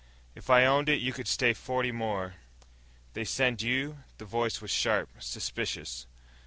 "If I owned it you could stay forty more." "They send you?" the voice was sharp, suspicious.